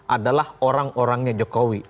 adalah orang orangnya jokowi